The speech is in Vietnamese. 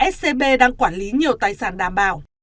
scb đang quản lý nhiều tài sản đảm bảo